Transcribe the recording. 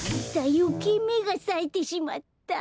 よけいめがさえてしまった。